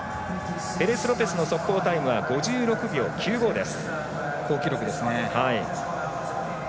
ペレスロペスの速報タイムは５６秒９５です。